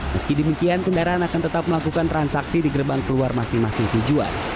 meski demikian kendaraan akan tetap melakukan transaksi di gerbang keluar masing masing tujuan